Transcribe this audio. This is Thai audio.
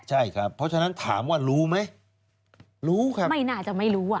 ใช่ครับเพราะฉะนั้นถามว่ารู้ไหมรู้ครับไม่น่าจะไม่รู้อ่ะ